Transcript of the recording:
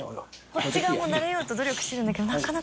こっち側も慣れようと努力してるんだけど覆覆